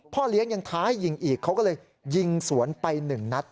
เลี้ยงยังท้ายิงอีกเขาก็เลยยิงสวนไปหนึ่งนัด